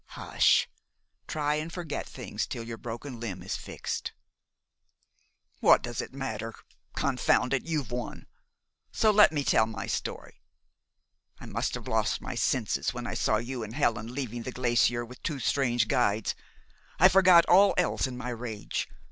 "Hush! Try and forget things till your broken limb is fixed." "What does it matter? Confound it! you've won; so let me tell my story. I must have lost my senses when I saw you and Helen leaving the glacier with two strange guides. I forgot all else in my rage.